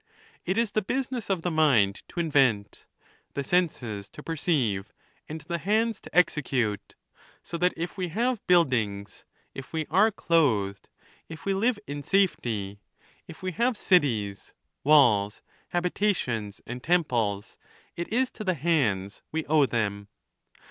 It is the business of the mind to invent, the senses to perceive, and the hands to execute ; so that if we have buildings, if we are clothed, if we live in safety, if we have cities, walls, habitations, and temples, it is to the hands we owe them.